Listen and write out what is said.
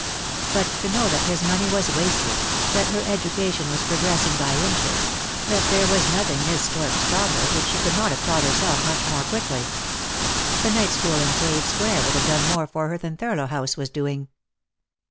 But to know that his money was wasted ; that her education was progressing by inches ; that there was nothing Miss Storks taught her which she could not have taught herself much more quickly! The night school in Cave square would have done more for her than Thurlow House was doing.